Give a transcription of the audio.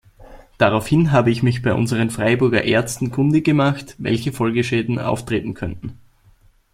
Daraufhin habe ich mich bei unseren Freiburger Ärzten kundig gemacht, welche Folgeschäden auftreten könnten.